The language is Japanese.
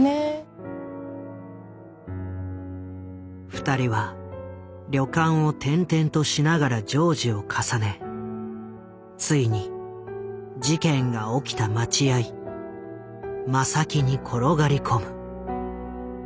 ２人は旅館を転々としながら情事を重ねついに事件が起きた待合満佐喜に転がり込む。